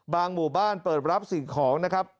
หมู่บ้านเปิดรับสิ่งของนะครับ